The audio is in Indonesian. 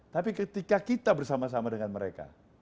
tapi ketika kita bersama sama dengan mereka